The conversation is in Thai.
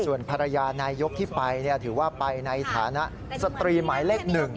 ส่วนภรรยานายยกที่ไปถือว่าไปในฐานะสตรีหมายเลข๑